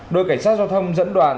đội cảnh sát giao thông dẫn đoàn